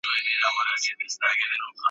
ډنبار ډېر نېستمن وو ,